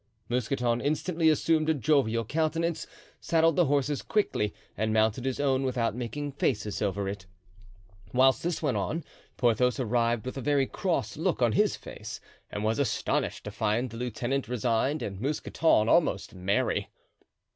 Mousqueton instantly assumed a jovial countenance, saddled the horses quickly and mounted his own without making faces over it. Whilst this went on, Porthos arrived with a very cross look on his face, and was astonished to find the lieutenant resigned and Mousqueton almost merry.